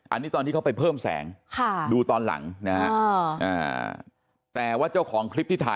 อันนี้ตอนที่เขาไปเพิ่มแสง